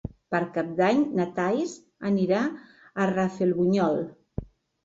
Per Cap d'Any na Thaís anirà a Rafelbunyol.